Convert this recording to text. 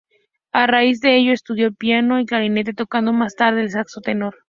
A raíz de ello, estudió piano y clarinete, tocando más tarde el saxo tenor.